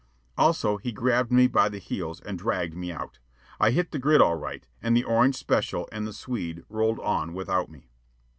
Also he grabbed me by the heels and dragged me out. I hit the grit all right, and the orange special and the Swede rolled on without me.